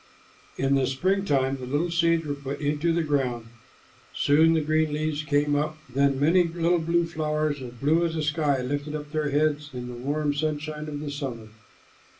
'" In the spring the little seeds were put into the ground. Soon the green leaves came up; then many little blue flowers, as blue as the sky, lifted up their heads in the warm sunshine of summer.